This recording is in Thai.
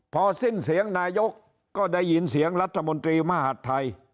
พอสิ้นเสียงนายกก็ได้ยินเสียงรัฐมนตรีมหาดไทย